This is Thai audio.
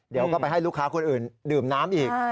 เดี๋ยวก็ไปให้ลูกค้าคนอื่นดื่มน้ำอีก